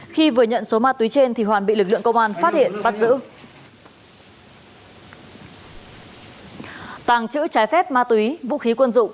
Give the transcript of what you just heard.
khi vừa nhận số ma túy trên thì hoàn bị lực lượng công an phát hiện bắt giữ